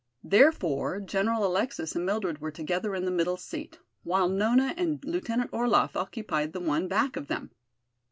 Therefore, General Alexis and Mildred were together in the middle seat, while Nona and Lieutenant Orlaff occupied the one back of them.